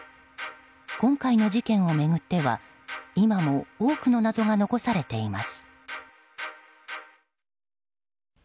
今回の事件を巡っては今も多くの謎が残されています。